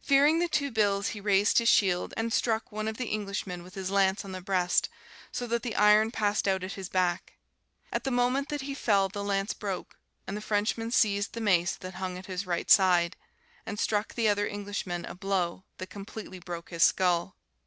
Fearing the two bills, he raised his shield, and struck one of the Englishmen with his lance on the breast, so that the iron passed out at his back; at the moment that he fell the lance broke, and the Frenchmen seized the mace that hung at his right side, and struck the other Englishman a blow that completely broke his skull.